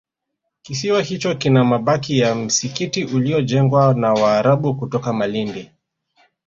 kisiwa hicho kina mabaki ya msikiti uliojengwa na Waarabu kutoka Malindi